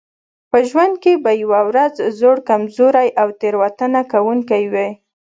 په ژوند کې به یوه ورځ زوړ کمزوری او تېروتنه کوونکی وئ.